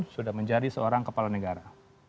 sudah menjadi seorang kepala negara